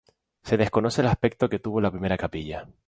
Se desconoce el aspecto que tuvo la primera capilla.